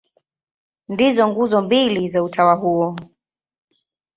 Ndizo nguzo mbili za utawa huo.